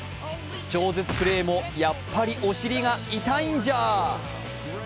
超絶プレーもやっぱりお尻が痛いンジャー。